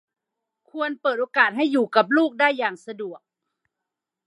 ควรเปิดโอกาสให้อยู่กับลูกได้อย่างสะดวก